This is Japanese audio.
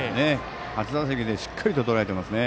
初打席でしっかりととらえてますね。